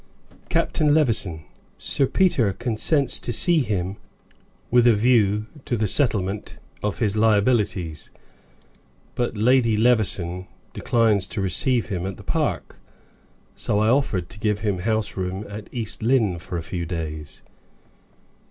"Captain Levison. Sir Peter consents to see him, with a view to the settlement of his liabilities, but Lady Levison declines to receive him at the Park. So I offered to give him house room at East Lynne for a few days."